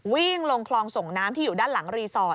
วิ่งลงคลองส่งน้ำที่อยู่ด้านหลังรีสอร์ท